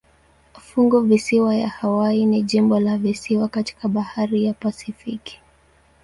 Funguvisiwa ya Hawaii ni jimbo la visiwani katika bahari ya Pasifiki.